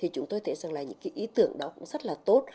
chúng tôi thấy rằng là những ý tưởng đó cũng rất là tốt